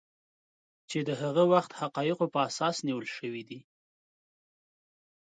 چې د هغه وخت حقایقو په اساس نیول شوي دي